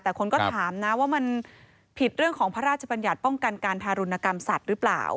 แต่คนก็ถามนะว่ามันผิดเรื่องของพระราชบัญญัติป้องกันการทารุณกรรมสัตว์หรือเปล่า